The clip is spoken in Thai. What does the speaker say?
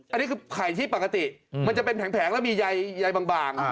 อันนี้คือไข่ที่ปกติมันจะเป็นแผงแล้วมีใยบาง